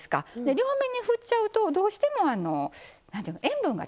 両面にふっちゃうとどうしても何ていうの塩分が強くなる。